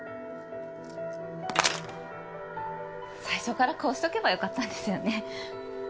最初からこうしておけばよかったんですよね。